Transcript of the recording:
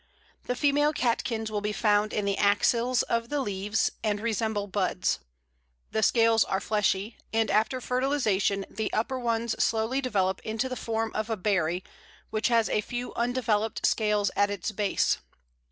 The female catkins will be found in the axils of the leaves, and resemble buds. The scales are fleshy, and after fertilization the upper ones slowly develop into the form of a berry, which has a few undeveloped scales at its base.